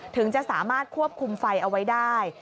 ถึงจะสามารถควบคุมไฟเอาไว้ได้